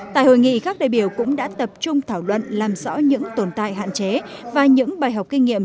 tại hội nghị các đại biểu cũng đã tập trung thảo luận làm rõ những tồn tại hạn chế và những bài học kinh nghiệm